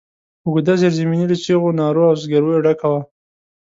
اوږده زېرزميني له چيغو، نارو او زګرويو ډکه وه.